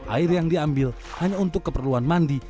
air yang diambil hanya untuk keperluan mandi